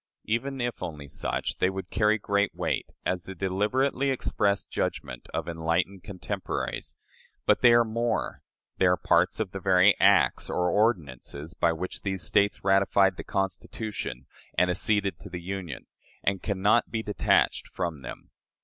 Even if only such, they would carry great weight as the deliberately expressed judgment of enlightened contemporaries, but they are more: they are parts of the very acts or ordinances by which these States ratified the Constitution and acceded to the Union, and can not be detached from them.